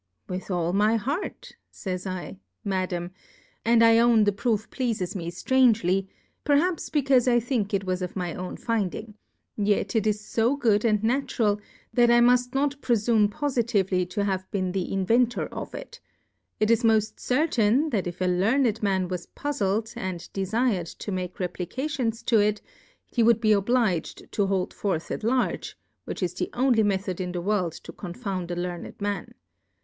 I ? Withal 174 Difcourfes on the Withal my Heart, fays 7, Madam, and I own the Proof pleaies me ftrange ly, perhaps becaufe I think it was of my own finding ; yet it is fo good and natural, that I muft not prefume pofi tively to have been the Inventor of it : It is moft certain, that if a learned Man was puzled, and defirM to make Re plications to it, he would be oblig'd to hold forth at large, which is the only Method in the World to confound a learned Man.